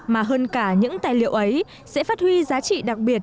mà hơn cả những tài liệu ấy sẽ phát huy giá trị đặc biệt